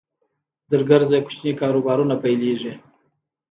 درګرده کوچني کاروبارونه پیلېږي